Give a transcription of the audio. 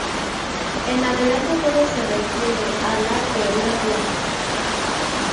En adelante, todo se refiere a la teoría clásica.